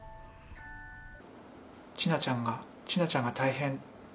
千奈ちゃんが、千奈ちゃんが大変。